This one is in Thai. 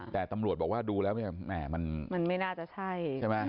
แต่ตำรวจบอกว่าดูแล้วเนี่ยแหมมันไม่น่าจะใช่ใช่ไหม